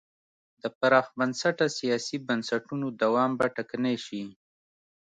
د پراخ بنسټه سیاسي بنسټونو دوام به ټکنی شي.